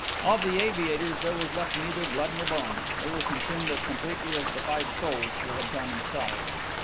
Of the aviators there was left neither blood nor bone they were consumed as completely as the five souls who had gone inside.